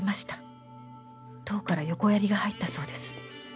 「党から横やりが入ったそうです」